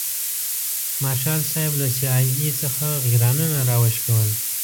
مارشال صاحب له سي آی اې څخه غیرانونه راوشکول.